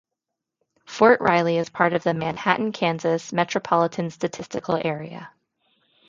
Fort Riley is part of the Manhattan, Kansas Metropolitan Statistical Area.